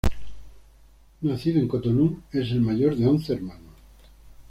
Nacido en Cotonú, es el mayor de once hermanos.